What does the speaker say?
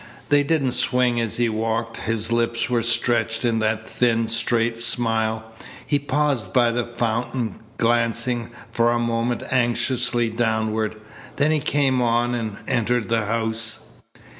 They didn't swing as he walked. His lips were stretched in that thin, straight smile. He paused by the fountain, glancing for a moment anxiously downward. Then he came on and entered the house.